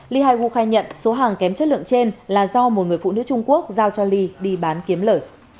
ly hai gu khai nhận số hàng kém chất lượng trên là do một người phụ nữ trung quốc giao cho ly đi bán kiếm lời